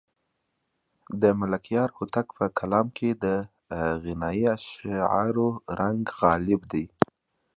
د ملکیار هوتک په کلام کې د غنایي اشعارو رنګ غالب دی.